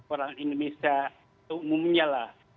orang indonesia umumnya lah